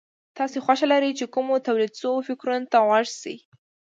تاسې خوښه لرئ چې کومو توليد شوو فکرونو ته غوږ شئ.